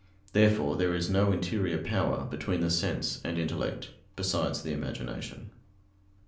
Therefore there is no interior power between the sense and intellect, besides the imagination.